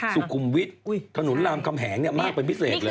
สุขุมวิทย์ถนนรามคำแหงมากเป็นพิเศษเลย